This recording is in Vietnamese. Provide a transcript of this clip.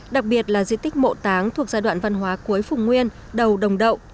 đặc biệt là di tích mộ táng thuộc giai đoạn văn hóa cuối phùng nguyên đầu đồng đậu